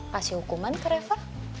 kasih hukuman ke reva